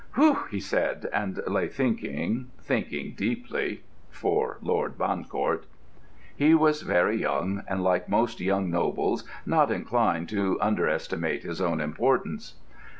"Whew!" he said, and lay thinking, thinking deeply—for Lord Bancourt. He was very young, and, like most young nobles, not inclined to underestimate his own importance.